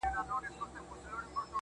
د زړه رگونه مي د باد په هديره كي پراته,